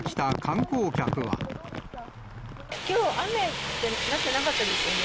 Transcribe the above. きょう、雨ってなってなかったですよね。